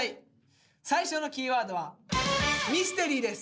最初のキーワードは「ミステリー」です。